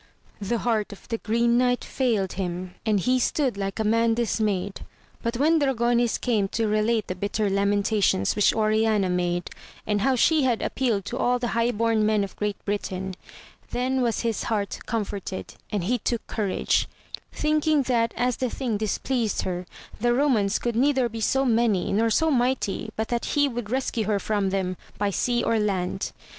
The heart of the Greek Knight failed him, and he stood like a man dismayed ; but when Dragonis came to relate the bitter lamentations which Oriana made, and how she had appealed to all the high born men of Great Britain ; then was his heart comforted, and he took courage, thinking that as the thing displeased her, the Eomans could neither be so many, nor so mighty, but that he would rescue her from them, by sea or land.